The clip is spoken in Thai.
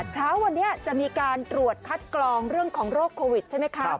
เช้าวันนี้จะมีการตรวจคัดกรองเรื่องของโรคโควิดใช่ไหมคะ